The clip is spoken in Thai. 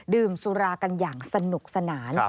ดื่มสุรากันอย่างสนุกสนาน